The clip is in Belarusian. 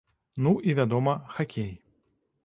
Ну і, вядома, хакей.